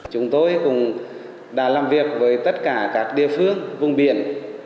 chúng tôi cũng đã làm việc với tất cả các địa phương vùng biển